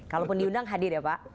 kalaupun diundang hadir ya pak